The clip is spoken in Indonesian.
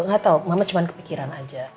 nggak tahu mama cuma kepikiran aja